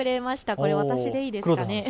これ私いいですかね。